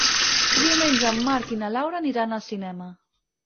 Diumenge en Marc i na Laura aniran al cinema.